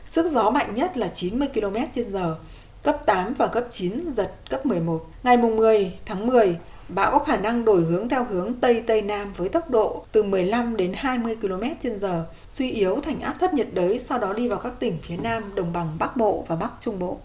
sức gió mạnh nhất là chín mươi kmh cấp tám và cấp chín giật cấp một mươi một ngày một mươi tháng một mươi bão có khả năng đổi hướng theo hướng tây tây nam với tốc độ từ một mươi năm hai mươi kmh suy yếu thành áp thấp nhiệt đới sau đó đi vào các tỉnh phía nam đồng bằng bắc bộ và bắc trung bộ